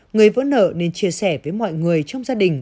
người vỡ nợ nên chia sẻ với mọi người trong gia đình